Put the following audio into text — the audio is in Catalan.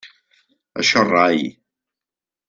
Això rai.